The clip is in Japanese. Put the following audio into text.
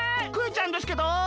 クヨちゃんですけど！